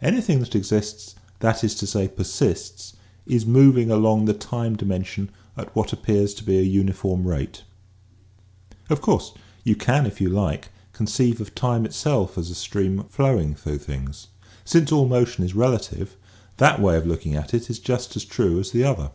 Anything that exists, that is to say, persists, is mov ing along the time dimension at what appears to be a uniform rate. Of course you can, if you like, conceive of time itself as a stream flowing through things. Since all motion is relative, that way of looking at it is just as *' true " as the other.